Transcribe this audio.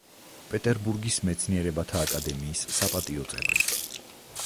პეტერბურგის მეცნიერებათა აკადემიის საპატიო წევრი.